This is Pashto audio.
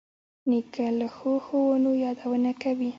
نیکه له ښو ښوونو یادونه کوي.